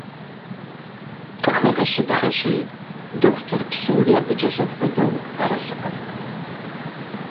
Къыхэгъэщыпхъэщи, дохутыр псори абыкӀэ зэхуэдэу арэзыкъым.